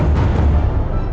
jadi nini bisa kecewa